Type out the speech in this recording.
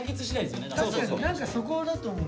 何かそこだと思う。